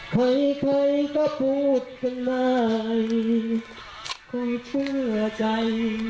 ใครใครก็พูดกันได้ใครเชื่อใจ